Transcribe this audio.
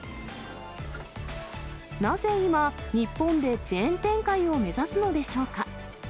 なぜ今、日本でチェーン展開を目指すのでしょうか。